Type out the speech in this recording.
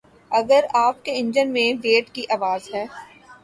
اگر آپ کے انجن میں ویٹ کی آواز ہے